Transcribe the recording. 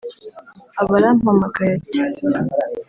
aba arampamagaye ati